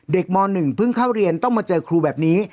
ม๑เพิ่งเข้าเรียนต้องมาเจอครูแบบนี้